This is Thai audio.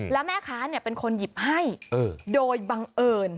แล้วแม่ค้าเป็นคนหยิบให้โดยบังเอิญ